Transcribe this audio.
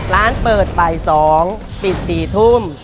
ร้านเปิดใบ๒ปิด๔ทุ่ม